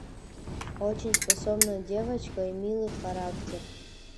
Очень способная девочка и милый характер.